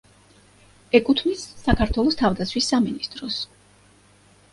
ეკუთვნის საქართველოს თავდაცვის სამინისტროს.